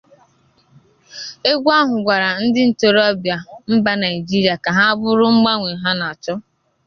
Egwú ahụ gwara ndị ntorobịa mba Nigeria ka ha bụrụ mgbanwe ha na-achọ.